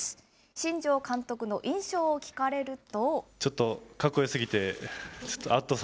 新庄監督の印象を聞かれると。